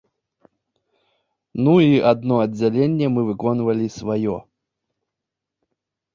Ну і адно аддзяленне мы выконвалі сваё.